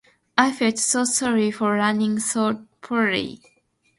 I felt so sorry for running so poorly.